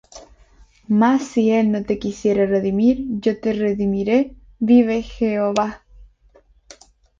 mas si él no te quisiere redimir, yo te redimiré, vive Jehová.